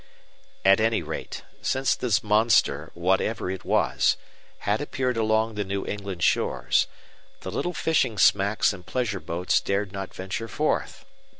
At any rate, since this monster, whatever it was, had appeared along the New England shores, the little fishing smacks and pleasure boats dared not venture forth.